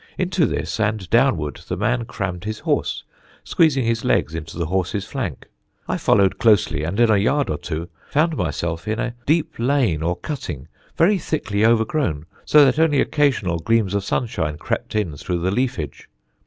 Into this, and downward, the man crammed his horse, squeezing his legs into the horse's flank. I followed closely, and in a yard or two found myself in a deep lane or cutting, very thickly overgrown, so that only occasional gleams of sunshine crept in through the leafage.